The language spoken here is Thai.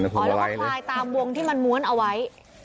พลายตามวงที่มันม้วนเอาไว้